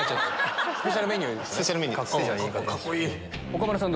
岡村さん